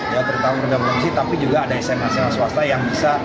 yang tertanggung oleh provinsi tapi juga ada sma sma swasta yang bisa